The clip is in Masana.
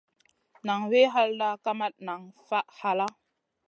Naŋ wi halda, kamat nan faʼ halla.